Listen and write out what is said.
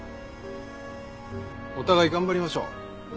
お互い頑張りましょう。